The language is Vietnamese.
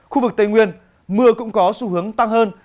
khu vực tây nguyên mưa cũng có xu hướng tăng hơn